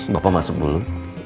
bapak masuk dulu